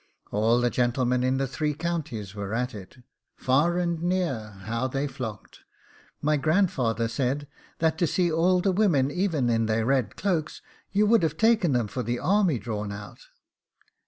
All the gentlemen in the three counties were at it; far and near, how they flocked! my great grandfather said, that to see all the women, even in their red cloaks, you would have taken them for the army drawn out.